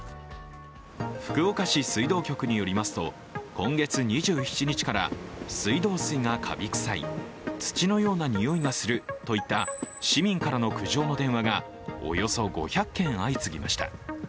福岡市水道局によりますと今月２７日から水道水がかび臭い、土のような匂いがするといった市民からの苦情の電話がおよそ５００件相次ぎました。